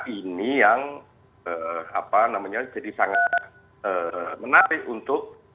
ini yang jadi sangat menarik untuk